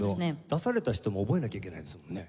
出された人も覚えなきゃいけないですもんね。